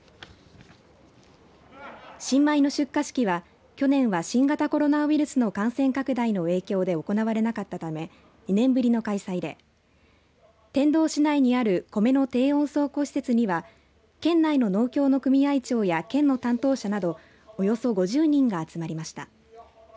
新米の出荷式は去年は新型コロナウイルスの感染拡大の影響で行われなかったため２年ぶりの開催で天童市内にあるコメの低温倉庫施設には県内の農協の組合長や県の担当者などおよそ５０人が集まりました。